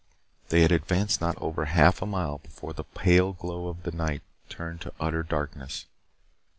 They had advanced not over half a mile before the pale glow of the night turned to utter darkness.